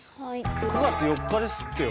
９月４日ですってよ